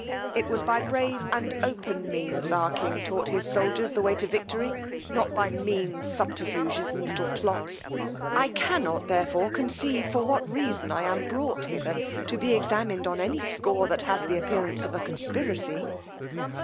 It was by brave and open means our king taught his soldiers the way to victory, not by mean subterfuges and little plots: I cannot therefore conceive for what reason I am brought hither to be examined on any score that has the appearance of a conspiracy.